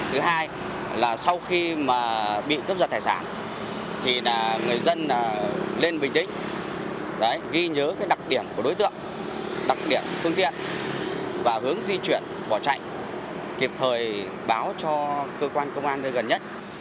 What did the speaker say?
thứ hai sau khi bị cướp giật tài sản người dân lên bình tĩnh ghi nhớ đặc điểm của đối tượng đặc điểm phương tiện và hướng di chuyển vỏ chạy kịp thời báo cho cơ quan công an đi gần nhất